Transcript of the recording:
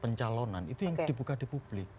pencalonan itu yang dibuka di publik